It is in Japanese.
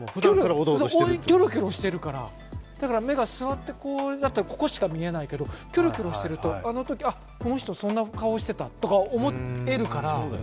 キョロキョロしてるから、だから目が据わってこうだとここしか見えないけど、キョロキョロしてるとあの人、こんな顔してたって思えるから。